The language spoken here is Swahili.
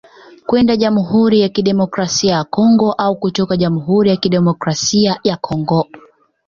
Kwenda Jamhuri ya Kidemokrasia ya Kongo au kutoka jamhuri ya Kidemokrasia ya Congo